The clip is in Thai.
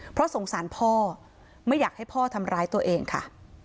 เพราะสงสารพ่อไม่อยากให้พ่อทำร้ายตัวเองค่ะ